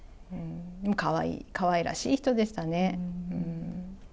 もうかわいらしい人でしたね。